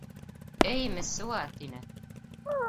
Эй, Мессуа! — тине.